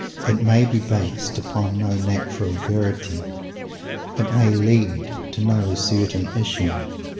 It may be based upon no eternal verity. It may lead to no certain issue.